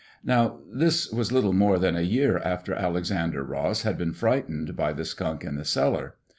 Now this was little more than a year after Alexander Ross had been frightened by the skunk in the cellar.